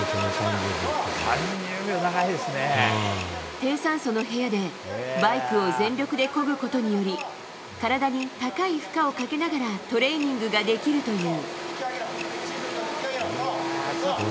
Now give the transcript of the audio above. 低酸素の部屋でバイクを全力でこぐことにより体に高い負荷をかけながらトレーニングができるという。